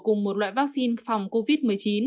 cùng một loại vaccine phòng covid một mươi chín